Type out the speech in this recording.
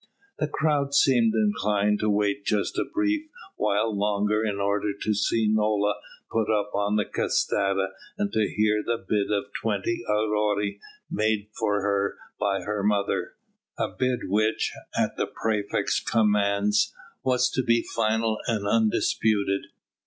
The crowd seemed inclined to wait just a brief while longer in order to see Nola put up on the catasta and to hear the bid of twenty aurei made for her by her mother a bid which, at the praefect's commands, was to be final and undisputed.